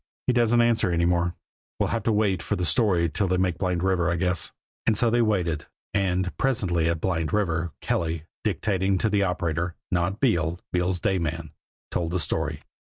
"He doesn't answer any more. We'll have to wait for the story till they make Blind River, I guess." And so they waited. And presently at Blind River, Kelly, dictating to the operator not Beale, Beale's day man told the story.